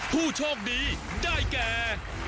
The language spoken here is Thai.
พูดชอบดีได้แก่